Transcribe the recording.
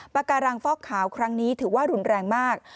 ปากการังฟอกขาวครั้งนี้ถือว่ารุนแรงมาก